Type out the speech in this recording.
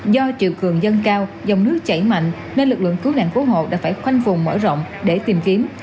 do triều cường dâng cao dòng nước chảy mạnh nên lực lượng cứu nạn cứu hộ đã phải khoanh vùng mở rộng để tìm kiếm